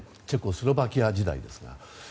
チェコスロバキア時代ですが。